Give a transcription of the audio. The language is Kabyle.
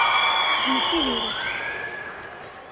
D nekk i diri.